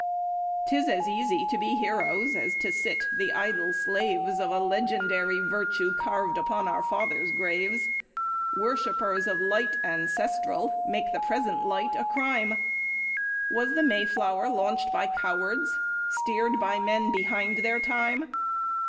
'Tis as easy to be heroes as to sit the idle slaves Of a legendary virtue carved upon our father's graves, Worshippers of light ancestral make the present light a crime;— Was the Mayflower launched by cowards, steered by men behind their time?